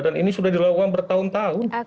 dan ini sudah dilakukan bertahun tahun